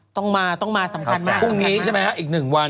ต้องมาต้องมาสำคัญมากนะคะทุกวันนี้ใช่มั้ยฮะอีกหนึ่งวัน